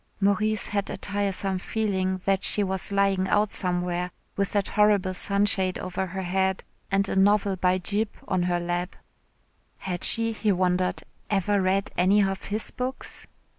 Maurice had a tiresome feeling that she was lying out somewhere with that horrible sunshade over her head and a novel by Gyp on her lap. Had she, he wondered, ever read any of his books?